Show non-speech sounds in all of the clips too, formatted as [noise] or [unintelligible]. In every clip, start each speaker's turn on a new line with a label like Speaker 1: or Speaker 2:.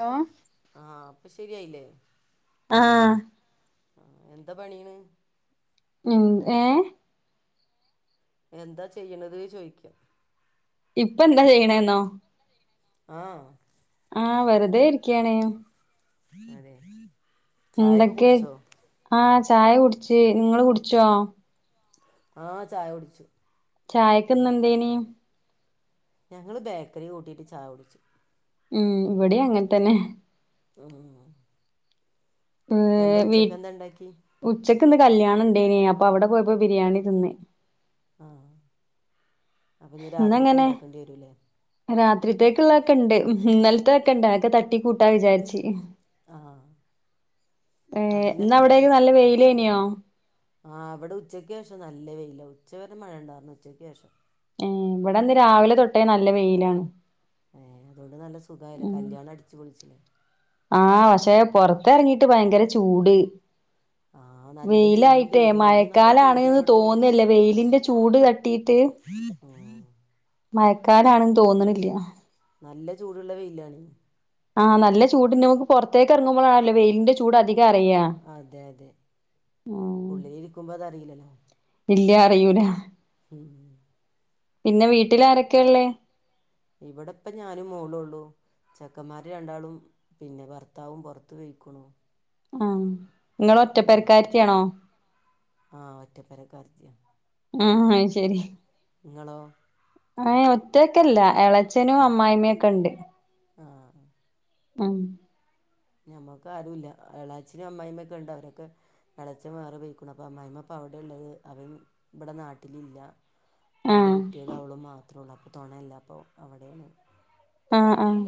Speaker 1: Hello
Speaker 2: ആഹ് പ്പ ശെരിയായില്ലേ.
Speaker 1: ആഹ്.
Speaker 2: ആഹ് എന്താ പണീണ്.
Speaker 1: ഉം ഏഹ്.
Speaker 2: എന്താ ചെയ്യണത് ചോയിക്കാ.
Speaker 1: ഇപ്പ എന്താ ചെയ്യ്ണേന്നോ.
Speaker 2: ആഹ്.
Speaker 1: ആഹ് വെറുതെ ഇരിക്കാണ്
Speaker 2: അതെ ചായൊക്കെ
Speaker 1: എന്തൊക്കെ?
Speaker 2: കുടിച്ചോ
Speaker 1: ആ ചായകുടിച്ച് ഇങ്ങള് കുടിച്ചോ?
Speaker 2: ആഹ് ചായകുടിച്ചു.
Speaker 1: ചായക്ക് ഇന്ന് എന്തേയ്നി
Speaker 2: ഞങ്ങള് ബേക്കറി കൂട്ടിട്ട് ചായകുടിച്ചു.
Speaker 1: ഉം ഇവിടീ അങ്ങൻതന്നെ.
Speaker 2: ആഹ്
Speaker 1: ഏഹ്
Speaker 2: എന്താ
Speaker 1: വീ
Speaker 2: ഉച്ചക്കെന്താണ്ടാക്കി.
Speaker 1: ഉച്ചക്ക് ഇന്ന് കല്ല്യാണണ്ടേനി അപ്പൊ അവിടെ പോയപ്പോ ബിരിയാണിതിന്ന്.
Speaker 2: ആഹ് അപ്പൊ ഇഞ് രാത്രിക്ക് ഇണ്ടാക്കേണ്ടി വരൂല്ലെ.
Speaker 1: രാത്രിത്തേക്ക് ഉള്ളൊതെക്കെണ്ട് ഇന്നല്ത്തെ ഒക്കെണ്ട് അതൊക്കെ തട്ടികൂട്ടാ വിചാരിച്ച്.
Speaker 2: ആ
Speaker 1: ഏഹ്
Speaker 2: അതന്നെ
Speaker 1: ഇന്ന് അവിടേക്കെ നല്ല വെയിലേന്യോ.
Speaker 2: ആഹ് ഇവ്ടെ ഉച്ചക്ക് ശേഷം നല്ല വെയിലാ ഉച്ച വരെ മഴണ്ടായിരുന്നു ഉച്ചക്ക് ശേഷം.
Speaker 1: ഏഹ് ഇവിടന്ന് രാവിലെ തൊട്ടേ നല്ല വെയിലാണ്.
Speaker 2: ഏഹ് അതോണ്ട് നല്ല സുഖായിലെ
Speaker 1: ഉം
Speaker 2: കല്ല്യാണം അടിച്ച് പൊളിച്ചിലെ.
Speaker 1: ആഹ് പക്ഷേ പൊറത്തെറങ്ങീട്ട് ഭയങ്കര ചൂട്.
Speaker 2: ആ നല്ല വെയിലുണ്ട്
Speaker 1: വെയിലായിട്ടേ
Speaker 2: ഈ വെയിലിന് നല്ല
Speaker 1: മഴക്കാലാണ്ന്ന്
Speaker 2: ചൂടുണ്ടടോ
Speaker 1: തോന്നല്ല വെയിലിന്റെ ചൂട് തട്ട് ട്ടീറ്റ്
Speaker 2: ഉം
Speaker 1: മയക്കാലാണ്ന്ന് തോന്ന്ണില്ല.
Speaker 2: നല്ല ചൂട്ള്ള വെയിലാണ്.
Speaker 1: ആഹ് നല്ല ചൂട് ഇണ്ട് ഞമ്മക്ക് പൊറത്തേക്ക് എറങ്ങുമ്പളാണല്ലോ വെയിലിന്റെ ചൂ ചൂട് അതികറിയാ.
Speaker 2: അതെ, അതെ ഉള്ളിലിരിക്കുമ്പോ അതറീലല്ലോ.
Speaker 1: ഇല്ല്യാ അറിയൂലാ. പിന്നെ വീട്ടില് ആരൊക്കെ ഇള്ളേ.
Speaker 2: ഇവിടെ ഇപ്പം ഞാനും മോളും ഒള്ളൂ. ചെക്കന്മാര് രണ്ടാളും പിന്നെ ഭർത്താവും പൊറത്ത് പെയ്ക്കുണു.
Speaker 1: ആഹ്. നിങ്ങള്
Speaker 2: ഹും
Speaker 1: ഒറ്റപ്പരക്കാരത്തിയാണോ
Speaker 2: ആഹ് ഒറ്റപ്പെരകാരത്തിയാ.
Speaker 1: ആഹ് ആയ് ശെരി.
Speaker 2: ഇങ്ങളോ
Speaker 1: ഏഹ് ഒറ്റക്കല്ല എളച്ചനും അമ്മായിമ്മയൊക്കെണ്ട്
Speaker 2: ആഹ്
Speaker 1: ഉം
Speaker 2: ഞമ്മക്ക് ആരും ഇല്ല എളാച്ചിനും അമ്മായിമ്മയും ഒക്കെണ്ട് അവരൊക്കെ എളച്ചൻ വേറെ പോയിക്ക്ണ് അപ്പം അമ്മയിമ്മ ഇപ്പം അവിടെ. ഉള്ളത് അവൻ ഇവിടെ നാട്ടിലില്ല രണ്ട്
Speaker 1: ആഹ്
Speaker 2: കുട്ടിളും അവളും മാത്ര ഒള്ളൂ അപ്പൊ തുണല്ല അപ്പം അവിടെയാണ്
Speaker 1: ആഹ് ആഹ്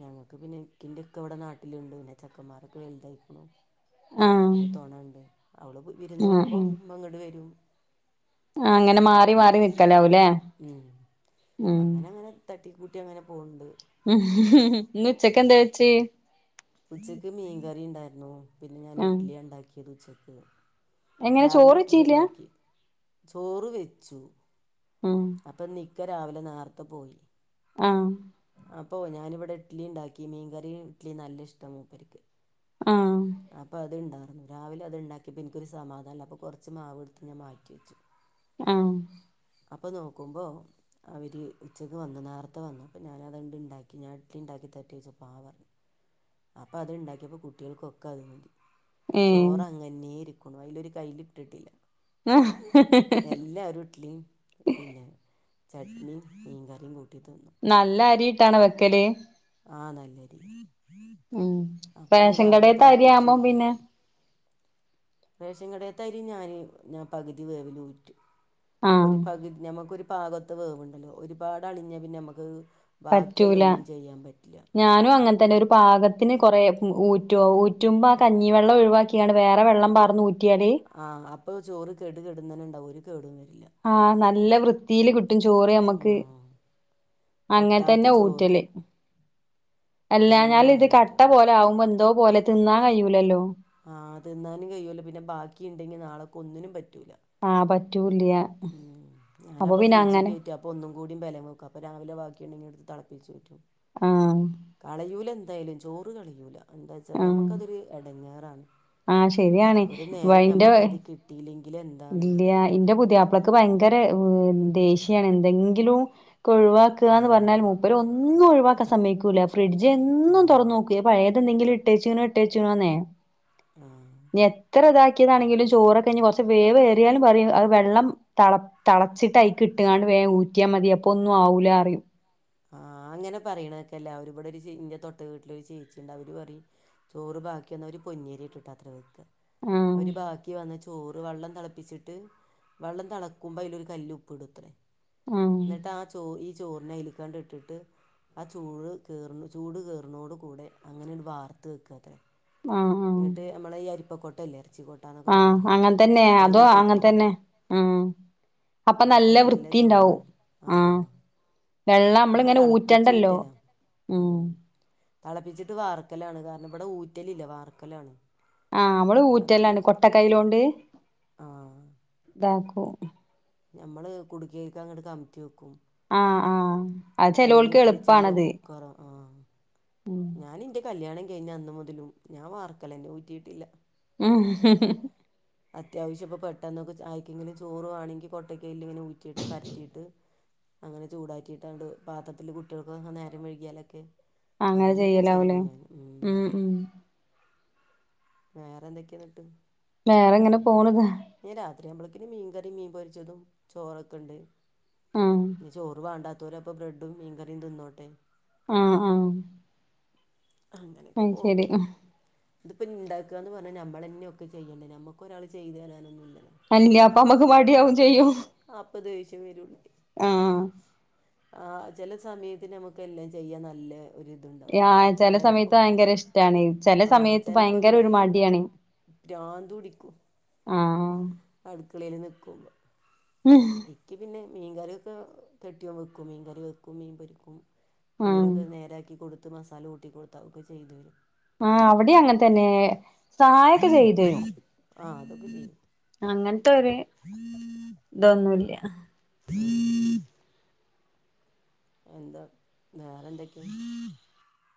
Speaker 2: ഞങ്ങൾക്ക് പിന്നെ ഇൻ്റെ ഇക്ക ഇവിടെ നാട്ടിലുണ്ട് പിന്നെ ചെക്കന്മാരൊക്കെ വലുതായിരിക്കുണു
Speaker 1: ആഹ്
Speaker 2: അപ്പൊ തോണ ഇണ്ട് അവള് വിരുന്ന്
Speaker 1: ആഹ്
Speaker 2: പോവുമ്പോ
Speaker 1: ആഹ്
Speaker 2: ഇമ്മ ഇങ്ങട്ട് വരും
Speaker 1: ആഹ് മാറി
Speaker 2: അങ്ങനെ
Speaker 1: മാറി നിക്കലാവൂലേ
Speaker 2: ഉം
Speaker 1: ഉം
Speaker 2: അങ്ങനെ അങ്ങനെ തട്ടിക്കൂട്ടി അങ്ങനെ പോകുണ്ട്
Speaker 1: ഇന്ന് ഉച്ചക്കെന്തേ വെച്ച്
Speaker 2: ഉച്ചക്ക് മീൻകറിണ്ടായിരുന്നു പിന്നെ ഞാൻ
Speaker 1: ആഹ്
Speaker 2: ഇഡ്ലിയാണ്ടാക്കിയത് ഉച്ചക്ക്
Speaker 1: എങ്ങനെ ചോറ്
Speaker 2: രാവിലെ
Speaker 1: വെച്ചീല്ല
Speaker 2: ഇഡ്ലിണ്ടാക്കി ചോറ് വെച്ചു
Speaker 1: ആഹ്
Speaker 2: അപ്പം ഇന്ന് ഇക്ക രാവിലെ നേരത്തെ പോയി
Speaker 1: ആഹ്.
Speaker 2: അപ്പോ ഞാനിവിടെ ഇഡ്ലി ഉണ്ടാക്കിനി മീന്കറി ഇഡ്ലി നല്ല ഇഷ്ടാ മൂപ്പർക്ക്.
Speaker 1: ഉം.
Speaker 2: അപ്പൊ അത്ണ്ടായിരുന്നു രാവിലെ അത്ണ്ടാക്കിയപ്പോ ഇൻകൊരു സമാധാനംല്ല അപ്പോ കൊർച്ച് മാവ്ട്ത്ത് മാറ്റി വെച്ചു. [inaudible]
Speaker 1: ആഹ്
Speaker 2: അപ്പൊ നോക്കുമ്പോ. അവർ ഉച്ചയ്ക്ക് വന്നു നേരത്തെ വന്നു അപ്പം ഞാനതുണ്ടിക്കി ഞാൻ ഇഡ്ലി ഉണ്ടാക്കി തെർട്ടെ ചോയ്ച്ചപ്പം ആഹ് പറഞ്ഞു. അപ്പൊത്ണ്ടാക്കിയപ്പോ കുട്ടികൾക്കൊക്കെ അത് മതി
Speaker 1: ഏഹ്
Speaker 2: ചോറങ്ങനെ. ന്നെ ഇരിക്ക്ണു അയിലൊരു കൈല് ഇട്ടിട്ടില്ല.
Speaker 1: ഹോ.
Speaker 2: എല്ലരും ഇഡ്ലിം പിന്നെ. ചട്നിയും മീൻകറിം കൂട്ടി തിന്നു.
Speaker 1: നല്ല അരിയിട്ടാണോ വെക്കല്?
Speaker 2: ആ നല്ലരി
Speaker 1: ഉം.
Speaker 2: അപ്പം ഇനി
Speaker 1: റേഷൻ
Speaker 2: രാവിലെ
Speaker 1: കടേത്തെ
Speaker 2: തിളപ്പിച്ച്
Speaker 1: അരിയാവുമ്പം പിന്നെ.
Speaker 2: ഊറ്റും റേഷൻ കടേത്തരി ഞാന് ഞാൻ പകുതി വേവിനു ഊറ്റും
Speaker 1: ആഹ്
Speaker 2: ഒരു പകുതി ഞമുക്കരു പാകത്ത് വേവുണ്ടല്ലോ ഒരുപാട് അളിഞ്ഞ പിന്നെ നമ്മക്ക് അത് ബാക്കിയായി
Speaker 1: പറ്റൂല
Speaker 2: ഒന്നും ചെയ്യാൻ പറ്റില്ല.
Speaker 1: ഞാനും അങ്ങനെ തന്നെ ഒരു പാകത്തിന് കൊറെ ഊറ്റു ഊറ്റുമ്പോ ആഹ് കഞ്ഞിവെള്ളം ഒഴിവാക്കി. ക്കെയാണ് വേറെ വെള്ളം പാർന്നു ഊറ്റിയാല്.
Speaker 2: ആഹ അപ്പൊ ചോറ് കെടുകെടുന്ന നണ്ടാവും ഒരു കേടും വരില്ല.
Speaker 1: ആഹ് നല്ല വൃത്തിൽ കി ട്ടും ചോറ്
Speaker 2: ആ
Speaker 1: ഞമ്മക്ക്
Speaker 2: ഒട്ടാത്ത
Speaker 1: അങ്ങൻത്തന്നെ
Speaker 2: ചോറ്
Speaker 1: ഊറ്റല്.
Speaker 2: അങ്ങനെ
Speaker 1: അല്ലാഞാൽ
Speaker 2: ഞാൻ
Speaker 1: ഇത് കട്ട
Speaker 2: വയ്ക്കും
Speaker 1: പോലെ ആകുമ്പോ എന്തോ പോലെ തിന്നാൻ കഴിയൂലല്ലോ.
Speaker 2: ആഹ് തിന്നാനും കഴിയൂലാ പിന്നെ ബാക്കിണ്ടെങ്കിൽ നാളെക്ക് ഒന്നിനും പറ്റൂലാ.
Speaker 1: ആഹ് പറ്റൂല്ല.
Speaker 2: ഉം ഞാനപ്പം ഫ്രിഡ്ജ് കേറ്റി ഒന്നും കൂടി ബലം വെക്കും അപ്പോ രാവിലെ ബാക്കിണ്ടെങ്കി ഇട്ത്ത് തളപ്പിച്ചൂറ്റും.
Speaker 1: ഉം.
Speaker 2: കളയൂല ന്തായാലും ചോറ് കളയൂല എന്താച്ചാ
Speaker 1: ആഹ്
Speaker 2: ഞമ്മക്കതൊരു എടങ്ങേറാണ്.
Speaker 1: ആഹ് ശരിയാണ് വ ഇന്റെ
Speaker 2: കിട്ടിയില്ലെങ്കിൽ എന്താണ്
Speaker 1: ഇല്ല്യാ ഇന്റെ പുതിയാ ക്ക് ഭയങ്കര ദേഷ്യാണ് എന്തെങ്കിലും ക്കെ ഒഴിവാക്കാന്ന് പറഞ്ഞാൽ
Speaker 2: കളയണത്
Speaker 1: മൂപ രന്നും ഒഴിവാക്കാൻ സമ്മയ്ക്കൂല്ല ഫ്രിഡ്ജി എന്നും
Speaker 2: ആഹ്
Speaker 1: തൊർന്നോക്കും എ പഴയതെന്തെങ്കിലും ഇട്ടേച്ചുനോ ഇട്ടേച്ചുനോന്നേ.
Speaker 2: ആഹ്.
Speaker 1: എത്ര ഇതാക്കിയതാണെങ്കിലും ചോറൊക്കെഞ്ഞ് കെറ്ച്ച് വേവേറിയാലും പറയും അത് വെള്ളം തളപ്പ തളച്ചിട്ട് അയ്ക്ക് ഇട്ട്ങ്ങാണ്ട് വേം ഊറ്റിയാ മതി അപ്പൊ ഒന്നും ആവൂലറിയും.
Speaker 2: ആഹ് അങ്ങനെ പറയ്ണേക്കെല്ലാവരും ഇവിടെ ഒരു ചേ ഇന്റെ തൊട്ട വീട്ടിലൊരു ചേച്ചിണ്ട് അവര് പറിം. ചോറ് ബാക്കി വന്ന അവര് പൊന്നിയരിയിട്ടിട്ടാത്രെ വെക്ക
Speaker 1: ആഹ്
Speaker 2: അവര് ബാക്കി വന്ന് ചോറ് വള്ളം തളപ്പിച്ചി ഇത് വള്ളം തളക്കുമ്പോ അയ്ലൊരു കല്ല് ഉപ്പ്ടുത്രെ
Speaker 1: ആഹ്
Speaker 2: ഇന്നിട്ട് ആഹ് ചോ ചോ ഈ ചോറിനെ അയ്ല്ക്കാണ്ടിട്ടിട്ട്. ആഹ് ചൂട് കേറു ചൂട് കേറുന്നോടു കൂടെ അങ്ങനെങ്ങ് വാർത്ത് വക്കത്രെ.
Speaker 1: ആഹ് ആഹ്
Speaker 2: ന്നിട്ട് മ്മളെ ഈ അരിപ്പക്കൊട്ടല്ലേ ഇറ്ച്ചിക്കോ ട്ടന്നൊക്കെ
Speaker 1: ആഹ്
Speaker 2: പറയില്ലേ
Speaker 1: അങ്ങൻ തന്നെ അതോ
Speaker 2: അയ്ല്
Speaker 1: അങ്ങൻ
Speaker 2: കൊട്ടി വെക്ക.
Speaker 1: തന്നെ ആഹ് അപ്പൊ
Speaker 2: അപ്പോ നല്ല
Speaker 1: വൃത്തിണ്ടാവും
Speaker 2: ചോറാവും ആഹ്.
Speaker 1: വെള്ളം
Speaker 2: ഞാൻ
Speaker 1: നമ്മളിങ്ങനെ ഊറ്റണ്ടല്ലോ
Speaker 2: തളപ്പിച്ചൂറ്റല ഉം. തളപ്പിച്ചിട്ട് വാർക്കലാണ് കാരണം ഇവടെ ഊറ്റലില്ല വാർക്കലാണ്
Speaker 1: ആഹ് ഇവള്
Speaker 2: അത്
Speaker 1: ഊറ്റല്ലാണ് കൊട്ട കൈയിലോണ്ട്
Speaker 2: ആ
Speaker 1: ഇതാക്കും
Speaker 2: ഞമ്മള് കുടുക്കേക്കങ്ങട്ട് കമത്തി വെക്കും
Speaker 1: ആഹ് ആഹ് അത്
Speaker 2: അല്ലെങ്കി
Speaker 1: ചെലോൽക്ക്
Speaker 2: ഇഡ്ലി ചെമ്പോ
Speaker 1: എളുപ്പാണത്
Speaker 2: കുക്കറോ ആഹ്
Speaker 1: ഉം
Speaker 2: ഞാൻ ഇന്റെ കല്യാണം കഴിഞ്ഞന്ന് മുതലും ഞാൻ വാർക്കലെന്നെ ഊറ്റിയിട്ടില്ല
Speaker 1: മ്ഹ്
Speaker 2: അത്യാവശ്യ ഇപ്പൊ പെട്ടെന്നൊക്കെ ച ആർക്കെങ്കിലും ചോറു വാണെങ്കി കൊ ട്ട കൈല് ഇങ്ങനെ ഊറ്റിട്ട് പരത്തീട്ട് അങ്ങനെ ചൂടാറ്റിയിട്ടാണ്ട് പാത്രത്തില് കുട്ടിയൾക്കങ്ങെ നേരം വെഴ്ക്കിയാലൊക്കെ
Speaker 1: അങ്ങനെ
Speaker 2: അങ്ങനെക്കെ
Speaker 1: ചെയ്യലാവൂലേ
Speaker 2: ചെയ്യും ഞാൻ ഉം വേറെ എന്തെക്കെ ന്ന്ട്ട്
Speaker 1: വേറെ ഇങ്ങനെ പോണ്താ
Speaker 2: പിന്നെ രാത്രി ആവുമ്പളേക്കിനും മീൻ കറി മീൻ പൊരിച്ചതും ചോറൊക്കെണ്ട്
Speaker 1: ആഹ്
Speaker 2: ഇഞ്ഞി ചോറ് വാണ്ടാത്തോല് അപ്പൊ ബ്രെഡും മീൻകറിം തിന്നോട്ടെ
Speaker 1: ആഹ് ആഹ്
Speaker 2: അങ്ങനെക്കെ
Speaker 1: അയ് ശരി
Speaker 2: പോകും ഇത്പ്പം ഇണ്ടാക്കാന്ന് പറഞ്ഞാ നമ്മളെന്നെ ഒക്കെ ചെയ്യേണ്ടേ നമ്മക്കൊരാള് ചെയ്ത് തരാനൊന്നും ഇല്ലല്ലോ
Speaker 1: അൻല്ലാ അപ്പൊ അമ്മക്ക് മടിയാവും ചെയ്യും
Speaker 2: അപ്പൊ ദേഷ്യം വരോള്ളു [unintelligible]
Speaker 1: ആഹ്
Speaker 2: ആഹ് ചെലെ സമയത്ത് നമ്മക്ക് എല്ലാം ചെയ്യാ നല്ലെ ഒരിത്ണ്ടാവും
Speaker 1: ആ ചെല
Speaker 2: ചെല്പ്പോ
Speaker 1: സമയത്ത് ഭയങ്കര ഇഷ്ടാണ് ചെല
Speaker 2: ആഹ്
Speaker 1: സമയത്ത്
Speaker 2: ചെലപ്പോ
Speaker 1: ഭയങ്കര ഒരു
Speaker 2: ഇങ്ങട്ട്
Speaker 1: മടിയാണ്
Speaker 2: ഭ്രാന്തു പിടിക്കു
Speaker 1: ആഹ്
Speaker 2: അട്ക്കളേല് നിക്കുമ്പോ
Speaker 1: ഉംഹ്
Speaker 2: ഇക്കി പിന്നെ മീൻ കറിയൊക്കെ കെട്ടിയോൻ വെക്കും മീൻ കറി വെക്കും മീൻ പൊരിക്കും
Speaker 1: ആ
Speaker 2: മീനൊക്കെ നേരാക്കി കൊടുത്ത് മസാല ഊട്ടി കൊടുത്ത ഒക്കെ ചെയ്തരും
Speaker 1: ആഹ് അവടിം അങ്ങൻത്തന്നെ സഹായെക്കെ
Speaker 2: ആ
Speaker 1: ചെയ്തരും
Speaker 2: ആ അതൊക്കെ ചെയ്യും
Speaker 1: അങ്ങൻത്തൊര് ഇതൊന്നുല്ല
Speaker 2: മ് എന്താ വേറെ എന്തെക്കെ